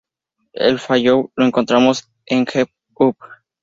En Fallout, lo encontramos en The Hub.